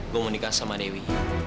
gue mau nikah sama dewi